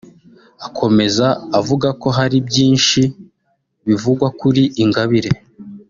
Akomeza avuga ko hari byinshi bivugwa kuri Ingabire